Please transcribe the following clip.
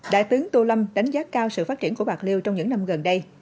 đại tướng tô lâm đánh giá cao sự phát triển của bạc liêu trong những năm gần đây